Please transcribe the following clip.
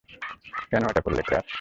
কেন এটা করলে, ক্র্যাশ?